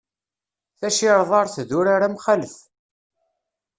Tacirḍart d urar amxalef.